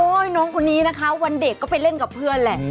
น้องคนนี้นะคะวันเด็กก็ไปเล่นกับเพื่อนแหละ